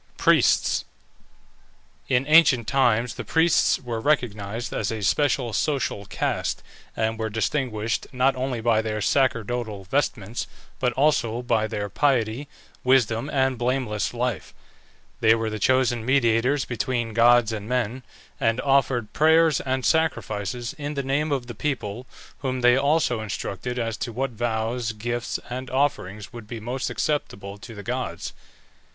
PRIESTS. In ancient times the priests were recognized as a special social caste, and were distinguished not only by their sacerdotal vestments, but also by their piety, wisdom, and blameless life. They were the chosen mediators between gods and men, and offered prayers and sacrifices in the name of the people, whom they also instructed as to what vows, gifts, and offerings would be most acceptable to the gods.